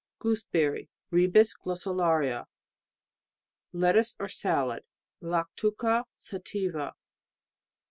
Gooseberry ... Ribes glossularia. Lettuce, or sallad . Lactuca sativa.